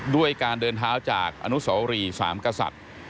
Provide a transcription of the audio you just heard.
ด้วยการเดินทางจากอนุสรี๓กษัตริย์